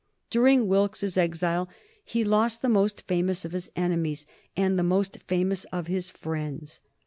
During Wilkes's exile he lost the most famous of his enemies and the most famous of his friends.